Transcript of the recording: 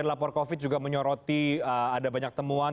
ada banyak temuan